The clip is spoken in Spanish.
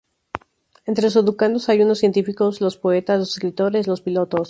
Entre los educandos hay unos científicos, los poetas, los escritores, los pilotos.